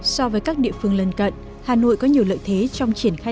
so với các địa phương lân cận hà nội có nhiều lợi thế trong triển khai